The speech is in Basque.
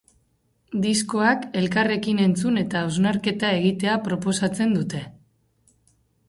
Diskoak elkarrekin entzun eta hausnarketa egitea proposatzen dute.